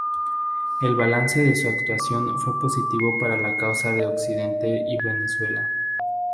El balance de su actuación fue positivo para la causa de Occidente y Venezuela.